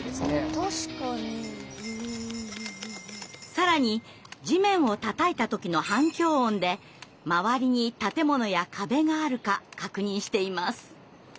更に地面をたたいた時の反響音で周りに建物や壁があるか確認しています。